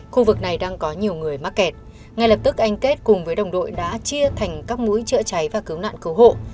khu vực này đang có nhiều người mắc kẹt ngay lập tức anh kết cùng với đồng đội đã chia thành các mũi chữa cháy và cứu nạn cứu hộ